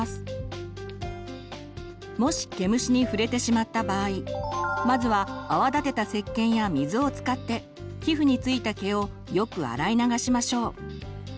もし毛虫に触れてしまった場合まずは泡立てたせっけんや水を使って皮膚に付いた毛をよく洗い流しましょう。